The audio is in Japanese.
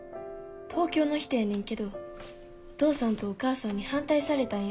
東京の人やねんけどお父さんとお母さんに反対されたんやって。